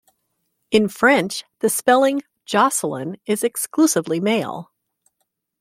In French, the spelling "Jocelyn" is exclusively male.